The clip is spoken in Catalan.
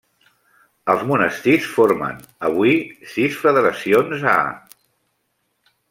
Els monestirs formen, avui, sis federacions a: